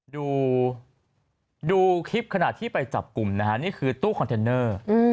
ดูคลิปขณะที่ไปจับกลุ่มนะฮะนี่คือตู้คอนเทนเนอร์